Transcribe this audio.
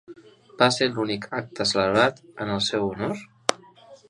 Va ser l'únic acte celebrat en el seu honor?